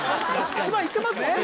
島行ってますもんね